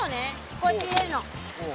こうやって入れるの。